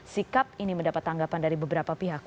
sikap ini mendapat tanggapan dari beberapa pihak